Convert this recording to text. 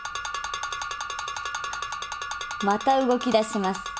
また動き出します。